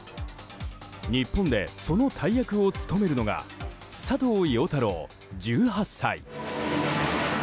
日本で、その大役を務めるのが佐藤陽太郎、１８歳。